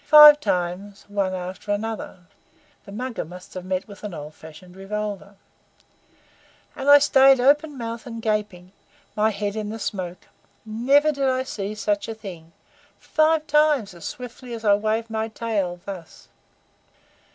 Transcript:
Five times, one after another" (the Mugger must have met with an old fashioned revolver); "and I stayed open mouthed and gaping, my head in the smoke. Never did I see such a thing. Five times, as swiftly as I wave my tail thus!"